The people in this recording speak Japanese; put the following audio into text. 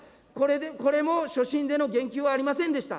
これも所信での言及はありませんでした。